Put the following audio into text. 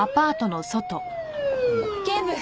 警部！